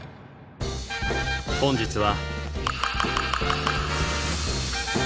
本日は。